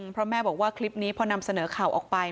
เพราะแม่บอกว่าคลิปนี้พอนำเสนอข่าวออกไป